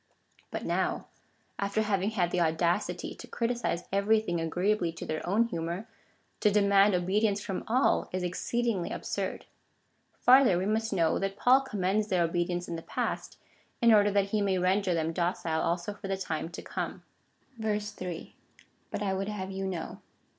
But now, after having had the audacity to criticise every thing agreeably to their own humour, to demand obedience from all is exceedingly absurd. Farther, we must know that Paul commends their obedience in the past, in order that he may render them docile also for the time to come. 3. But I would have you know.